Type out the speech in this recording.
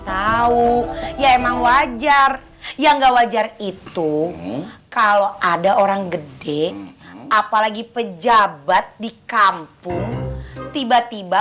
tahu ya emang wajar yang enggak wajar itu kalau ada orang gede apalagi pejabat di kampung tiba tiba